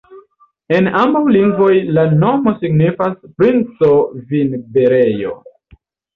En ambaŭ lingvoj la nomo signifas: princo-vinberejo.